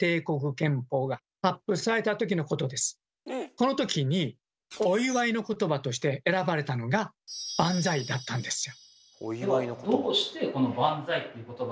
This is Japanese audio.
このときにお祝いのことばとして選ばれたのが「バンザイ」だったんですよ。